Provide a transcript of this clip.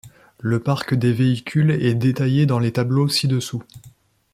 Le parc des véhicules est détaillé dans les tableaux ci-dessous.